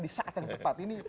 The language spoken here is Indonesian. di saat yang tepat